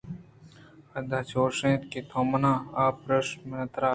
اد ءَ چُش اَت کہ تو منا آپ پِرّرِیچ ءُ من ترا